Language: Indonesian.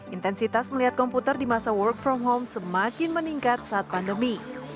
intensitas melihat komputer di masa work from home semakin meningkat saat pandemi